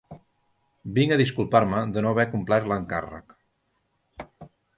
Vinc a disculpar-me de no haver complert l'encàrrec.